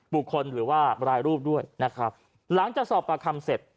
หรือว่ารายรูปด้วยนะครับหลังจากสอบประคำเสร็จ